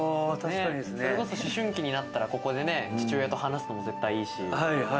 思春期になったらここで父親と話すのも絶対いいし。